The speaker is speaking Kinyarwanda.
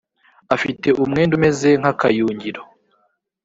afite umwenda umeze nk ‘akayungiro.